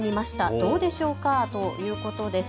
どうでしょうかということです。